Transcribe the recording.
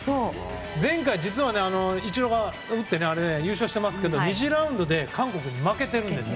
前回、実はイチローが打って優勝してますけど２次ラウンドで韓国に負けているんですよ。